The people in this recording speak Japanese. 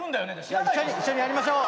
一緒にやりましょう。